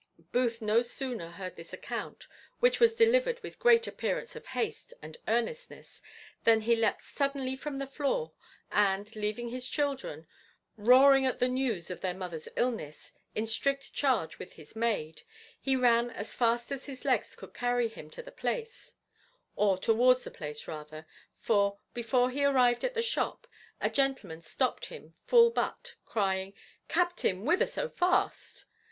Booth no sooner heard this account, which was delivered with great appearance of haste and earnestness, than he leapt suddenly from the floor, and, leaving his children, roaring at the news of their mother's illness, in strict charge with his maid, he ran as fast as his legs could carry him to the place; or towards the place rather: for, before he arrived at the shop, a gentleman stopt him full butt, crying, "Captain, whither so fast?"